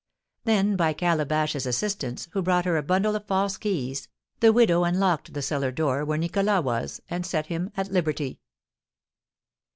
Then, by Calabash's assistance, who brought her a bundle of false keys, the widow unlocked the cellar door where Nicholas was, and set him at liberty.